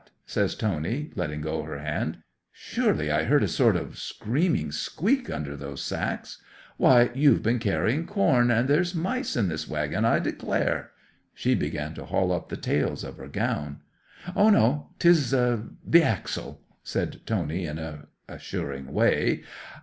says Tony, letting go her hand. '"Surely I heard a sort of little screaming squeak under those sacks? Why, you've been carrying corn, and there's mice in this waggon, I declare!" She began to haul up the tails of her gown. '"Oh no; 'tis the axle," said Tony in an assuring way.